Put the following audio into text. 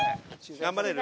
頑張れる？